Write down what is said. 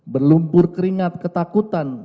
berlumpur keringat ketakutan